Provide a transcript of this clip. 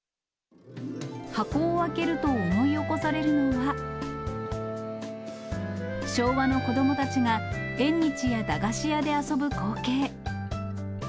箱を開けると思い起こされるのは、昭和の子どもたちが、縁日や駄菓子屋で遊ぶ光景。